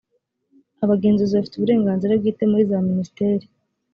abagenzuzi bafite uburenganzira bwite muri za minisiteri